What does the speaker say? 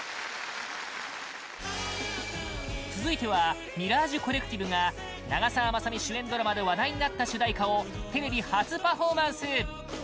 続いてはＭｉｒａｇｅＣｏｌｌｅｃｔｉｖｅが長澤まさみ主演ドラマで話題になった主題歌をテレビ初パフォーマンス！